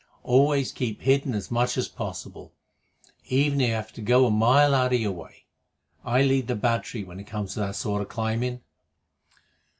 Always keep hidden as much as possible, even if you have to go a mile out of your way. I lead the battery when it comes to that sort of climbing."